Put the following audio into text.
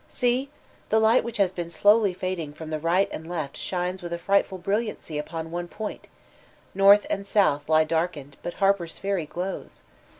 See I The light which has been slowly fading from the right and left shines with a frightful brilliancy upon one point : North and South lie darkened, but Harper's Perry glows!